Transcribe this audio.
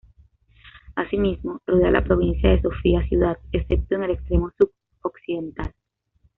Asimismo, rodea a la provincia de Sofía-Ciudad excepto en el extremo sudoccidental.